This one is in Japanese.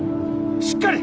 しっかり！